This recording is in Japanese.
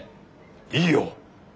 いいよ！